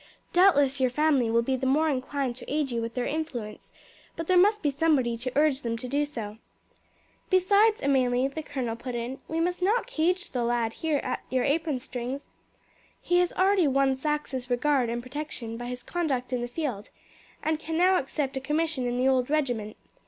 Doubtless your family will be the more inclined to aid you with their influence, but there must be somebody to urge them to do so." "Besides, Amelie," the colonel put in, "we must not cage the lad here at your apron strings. He has already won Saxe's regard and protection by his conduct in the field, and can now accept a commission in the old regiment.